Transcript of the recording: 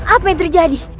apa yang terjadi